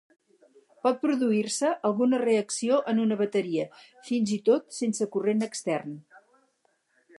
Pot produir-se alguna reacció en una bateria, fins i tot sense corrent extern.